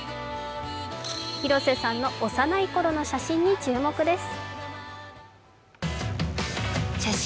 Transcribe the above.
広瀬さんの幼いころの写真に注目です。